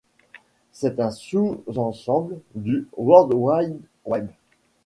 C'est un sous-ensemble du World Wide Web.